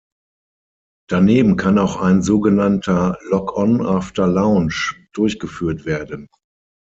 Daneben kann auch ein sogenannter "lock-on after launch" durchgeführt werden.